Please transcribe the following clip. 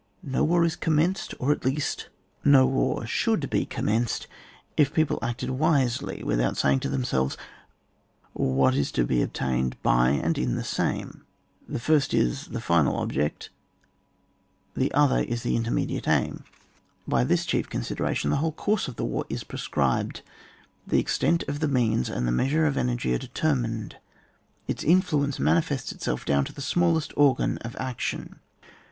Mo war is commencedi or^ at least, no war 44 ON JFAR. [fiooK vnr. Bhould be commenced, if people acted wisely, without saying to themselves, What is to be attained by and in the same; the first is the final object; the other is the intermediate aim. By this chief consideration the whole course of the war is prescribed, the extent of the means and the measure of energy are determined ; its influence manifests itself down to the smallest organ of action.